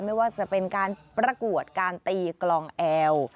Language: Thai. ไม่ว่าจะเป็นการประกวดการตีกลองแอล